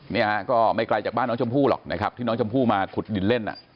เนี่ยฮะก็ไม่ไกลจากบ้านน้องชมพู่หรอกนะครับที่น้องชมพู่มาขุดดินเล่น